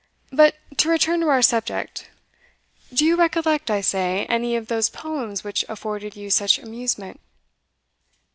"But to return to our subject Do you recollect, I say, any of those poems which afforded you such amusement?"